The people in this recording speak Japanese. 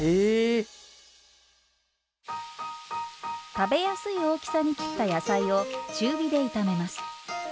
食べやすい大きさに切った野菜を中火で炒めます。